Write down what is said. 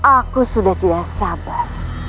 aku sudah tidak sabar